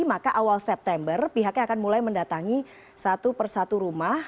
maka awal september pihaknya akan mulai mendatangi satu persatu rumah